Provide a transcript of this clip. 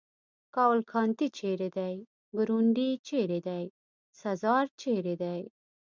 کاوالکانتي چېرې دی؟ برونډي چېرې دی؟ سزار چېرې دی؟